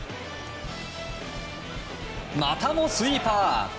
またもスイーパー。